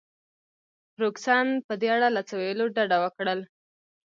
فرګوسن په دې اړه له څه ویلو ډډه وکړل.